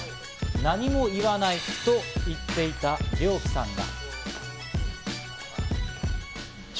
何も言わないと言っていたリョウキさんが。